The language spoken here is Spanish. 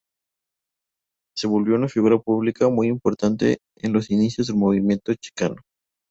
Se volvió una figura pública muy importante en los inicios del Movimiento Chicano.